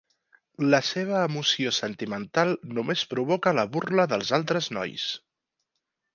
La seva emoció sentimental només provoca la burla dels altres nois.